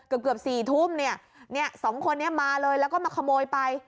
เกือบเกือบสี่ทุ่มเนี่ยสองคนนี้มาเลยแล้วก็มาขโมยไป